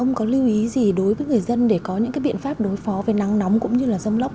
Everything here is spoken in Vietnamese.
ông có lưu ý gì đối với người dân để có những cái biện pháp đối phó với nắng nóng cũng như là rông lốc